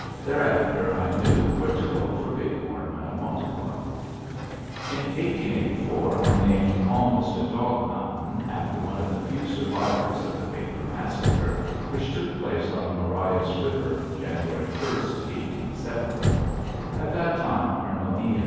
Thereafter I knew where to go for bighorn when I wanted one. In 1884 I named Almost a Dog Mountain, after one of the few survivors of the Baker massacre, which took place on the Marias River, January 1, 1870. At that time Colonel E. M.